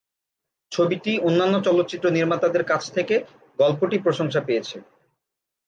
ছবিটি অন্যান্য চলচ্চিত্র নির্মাতাদের কাছ থেকে "গল্পটি" প্রশংসা পেয়েছে।